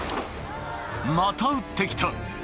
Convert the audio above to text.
また撃って来た！